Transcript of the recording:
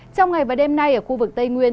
trong ngày và đêm nay ở khu vực tây nguyên